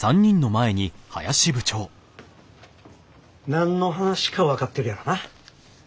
何の話か分かってるやろな。